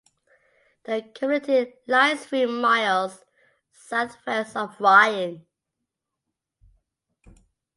The community lies three miles southwest of Ryan.